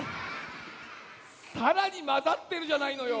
さらにまざってるじゃないのよ。